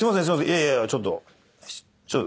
いやいやちょっと。